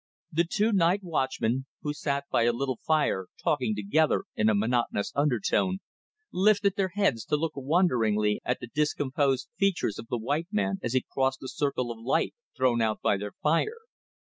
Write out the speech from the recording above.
The two night watchmen, who sat by a little fire talking together in a monotonous undertone, lifted their heads to look wonderingly at the discomposed features of the white man as he crossed the circle of light thrown out by their fire.